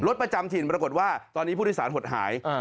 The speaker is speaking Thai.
รถประจำถิ่นปรากฏว่าตอนนี้ผู้ทิศาสตร์หดหายอืม